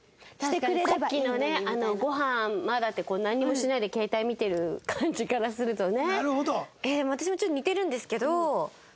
確かにさっきのね「ごはんまだ？」ってなんにもしないで携帯見てる感じからするとね。